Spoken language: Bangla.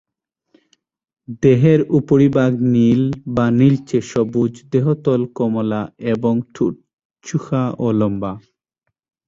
দেহের উপরিভাগ নীল বা নীলচে-সবুজ, দেহতল কমলা এবং ঠোঁট চোখা ও লম্বা।